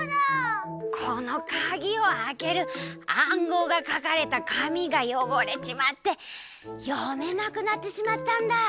このかぎをあける暗号がかかれたかみがよごれちまってよめなくなってしまったんだ。